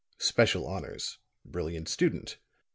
Special honors. Brilliant student.